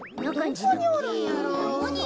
どこにおるんやろ？